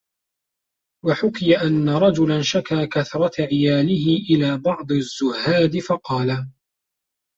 وَحُكِيَ أَنَّ رَجُلًا شَكَا كَثْرَةَ عِيَالِهِ إلَى بَعْضِ الزُّهَّادِ فَقَالَ